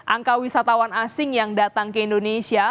angka wisatawan asing yang datang ke indonesia